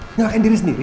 nyalakin diri sendiri